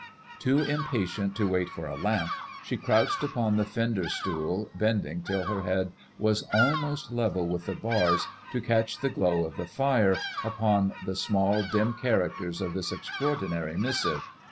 Too impatient to wait for a lamp, she crouched upon the fender stool, bending till her head was almost ^evel with the bars, to catch the glow of the fire upon the small dim characters of this extra ordinary missive.